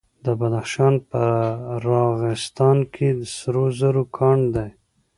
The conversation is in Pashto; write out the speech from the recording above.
د بدخشان په راغستان کې سرو زرو کان دی.